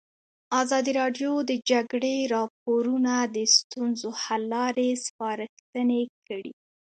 ازادي راډیو د د جګړې راپورونه د ستونزو حل لارې سپارښتنې کړي.